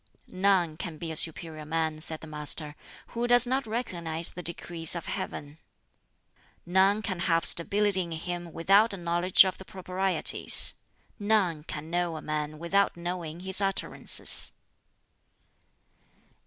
"None can be a superior man," said the Master, "who does not recognize the decrees of Heaven. "None can have stability in him without a knowledge of the proprieties. "None can know a man without knowing his utterances."